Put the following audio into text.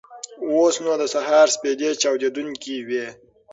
اوس نو د سهار سپېدې چاودېدونکې وې.